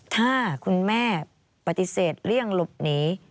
ถ้าคุณแม่ปฏิเสธเลี่ยงหลบหนี